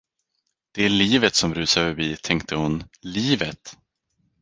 Det är livet som rusar förbi, tänkte hon, livet!